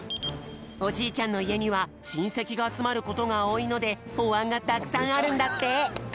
おじいちゃんのいえにはしんせきがあつまることがおおいのでおわんがたくさんあるんだって！